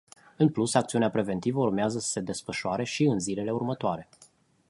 În plus, acțiunea preventivă urmează să se desfășoare și în zilele următoare.